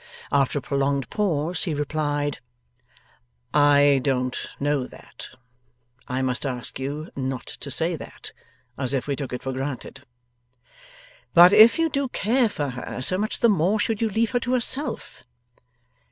After a prolonged pause, he replied: 'I don't know that. I must ask you not to say that, as if we took it for granted.' 'But if you do care for her, so much the more should you leave her to herself.